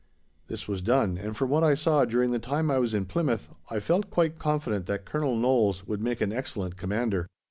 This was done, and from what I saw during the time I was in Plymouth, I felt quite confident that Colonel Knowles would make an excellent commander.